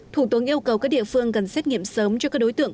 thủ tướng yêu cầu các địa phương cần xét nghiệm sớm cho các đối tượng